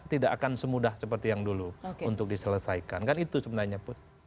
tidak akan semudah seperti yang dulu untuk diselesaikan kan itu sebenarnya